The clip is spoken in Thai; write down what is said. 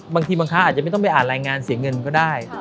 บางทีบางครั้งอาจจะไม่ต้องไปอ่านรายงานเสียเงินก็ได้